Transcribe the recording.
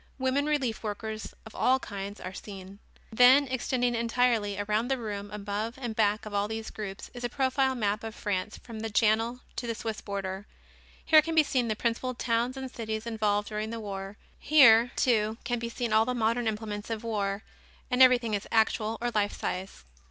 Women relief workers of all kinds are seen. Then extending entirely around the room above and back of all these groups is a profile map of France from the Channel to the Swiss border. Here can be seen the principal towns and cities involved during the war. Here, too, can be seen all the modern implements of war and everything is actual or life size.